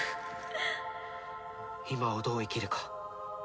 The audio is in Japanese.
今をどう生きるか。